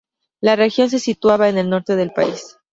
La región se situaba en el norte del país.